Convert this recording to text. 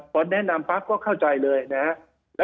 พอแนะนำปั๊บก็เข้าใจเลยนะครับ